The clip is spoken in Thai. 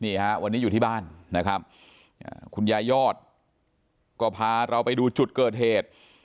วันนี้อยู่ที่บ้านนะครับคุณยายยอดก็พาเราไปดูจุดเกิดเหตุ